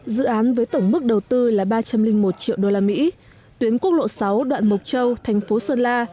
dự án với tổng mức đầu tư là ba trăm linh một triệu đô la mỹ tuyến quốc lộ sáu đoạn mộc châu thành phố sơn la